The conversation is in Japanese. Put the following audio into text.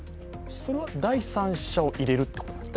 それは第三者を入れるということですか？